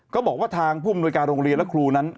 ก็บอกว่าทางผู้อำนวยการโรงเรียนและครูนั้น